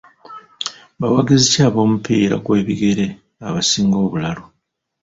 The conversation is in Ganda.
Bawagizi ki ab'omupiira gw'ebigere abasinga obulalu?